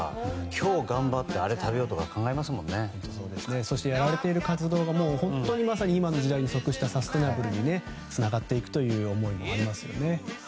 今日頑張ってやられている活動が本当にまさに今の時代に即したサステナブルにつながっていくという思いもありますよね。